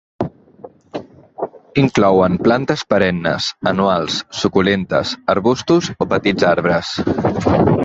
Inclouen plantes perennes, anuals, suculentes, arbustos o petits arbres.